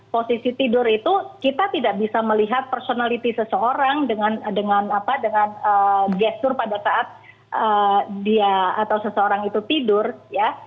posisi tidur itu kita tidak bisa melihat personality seseorang dengan gestur pada saat dia atau seseorang itu tidur ya